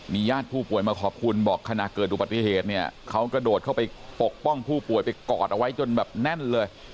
ญาติผู้ป่วยมาขอบคุณบอกขณะเกิดอุบัติเหตุเนี่ยเขากระโดดเข้าไปปกป้องผู้ป่วยไปกอดเอาไว้จนแบบแน่นเลย